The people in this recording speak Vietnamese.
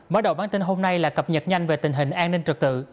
mở đầu bản tin hôm nay là cập nhật nhanh về tình hình an ninh trật tự